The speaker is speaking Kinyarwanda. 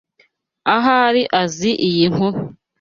Ahari azi iyi nkuru.